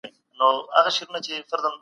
د علمي څېړنې هدف د حقیقت موندل دي.